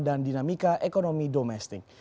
dan dinamika ekonomi domestik